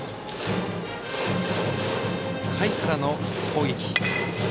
下位からの攻撃。